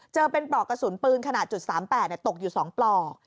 เจอเป็นปลอกกระสุนปืนขนาดจุดสามแปดตกอยู่สองปลอก